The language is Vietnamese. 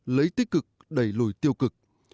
lấy tích cực đẩy lùi tiêu cực